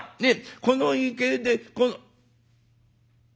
この池でこの」。